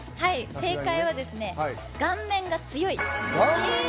正解は「顔面が強い」。